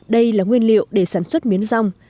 đây là nguyên liệu để sản xuất miến rong